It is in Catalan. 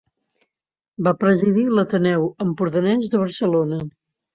Va presidir l’Ateneu Empordanès de Barcelona.